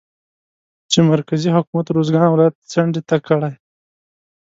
چې مرکزي حکومت روزګان ولايت څنډې ته کړى